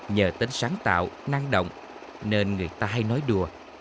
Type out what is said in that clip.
nhờ tính sáng tạo năng động nên người ta hay nói đùa